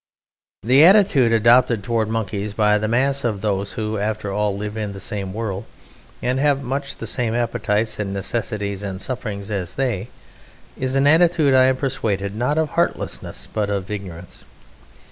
The attitude adopted towards Monkeys by the mass of those who, after all, live in the same world, and have much the same appetites and necessities and sufferings as they, is an attitude I am persuaded, not of heartlessness, but of ignorance.